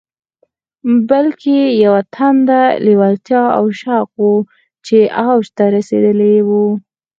بلکې يوه تنده، لېوالتیا او شوق و چې اوج ته رسېدلی و.